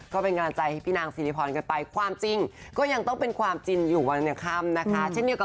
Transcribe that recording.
ก็เป็นกำลังใจให้พี่นางสิริพรกันไปความจริงก็ยังต้องเป็นความจริงอยู่วันข้ามนะคะ